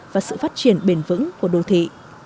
và sự phát triển bền vững của đô thị